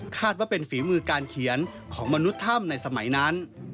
ว่าเป็นฝีมือการเขียนของมนุษย์ถ้ำในสมัยนั้น